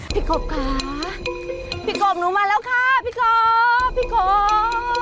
กบค่ะพี่กบหนูมาแล้วค่ะพี่กบพี่กบ